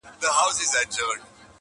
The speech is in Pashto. مگر سر ستړی په سودا مات کړي,